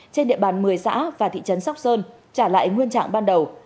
trên địa bàn một mươi xã và thị trấn sóc sơn trả lại nguyên trạng ban đầu